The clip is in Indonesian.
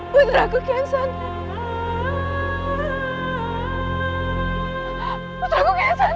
putra kukian santang